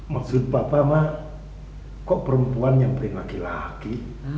maksud papa ma kok perempuan yang perempuan laki laki